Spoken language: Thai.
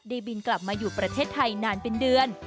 บินกลับมาอยู่ประเทศไทยนานเป็นเดือน